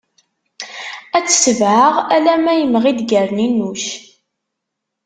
Ad t-tebɛeɣ alamma imɣi-d gerninuc.